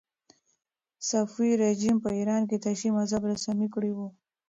صفوي رژیم په ایران کې تشیع مذهب رسمي کړی و.